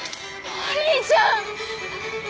お兄ちゃん！